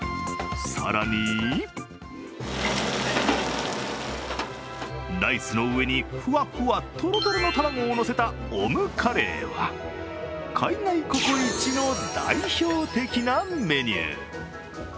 更に、ライスの上にふわふわトロトロの卵をのせたオムカレーは、海外ココイチの代表的なメニュー。